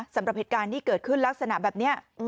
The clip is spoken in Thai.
สำหรับเหตุการณ์ที่เกิดขึ้นลักษณะแบบนี้